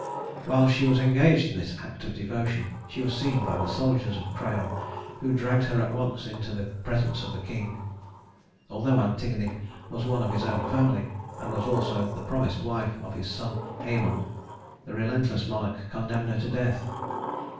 While she was engaged in this act of devotion she was seen by the soldiers of Creon, who dragged her at once into the presence of the king. Although Antigone was one of his own family, and was also the promised wife of his son Hæmon, the relentless monarch condemned her to death.